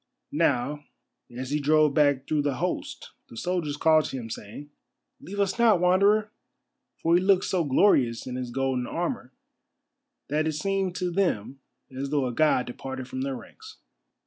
Now, as he drove back through the host the soldiers called to him, saying: "Leave us not, Wanderer." For he looked so glorious in his golden armour that it seemed to them as though a god departed from their ranks.